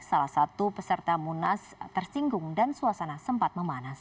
salah satu peserta munas tersinggung dan suasana sempat memanas